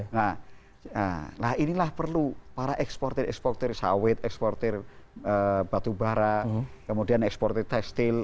nah inilah perlu para eksporter eksporter sawit eksporter batu bara kemudian eksporter tekstil